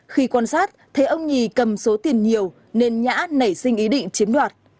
khi quan sát thấy ông nhì cầm số tiền nhiều nên nhã nảy sinh ý định chiếm đoạt